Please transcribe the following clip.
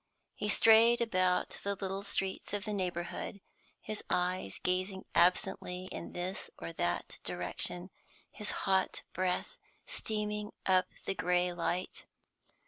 He strayed about the little streets of the neighbourhood, his eyes gazing absently in this or that direction, his hot breath steaming up in the grey light.